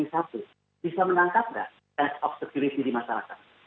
kita juga sudah berjalan jalan